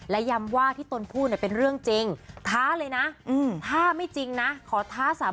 และยำว่าที่ตนพูดเป็นเรื่องจริงท้าเลยนะ